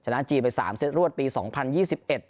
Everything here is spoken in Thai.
จีนไปสามเซตรวดปีสองพันยี่สิบเอ็ด